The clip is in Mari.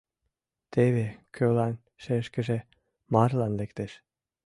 Теве кӧлан шешкыже марлан лектеш...